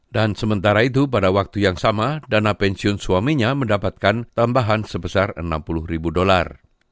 sementara itu pada waktu yang sama dana pensiun suaminya mendapatkan tambahan sebesar enam puluh ribu dolar